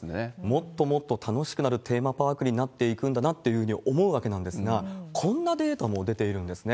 もっともっと楽しくなるテーマパークになっていくんだなというふうに思うわけなんですが、こんなデータも出ているんですね。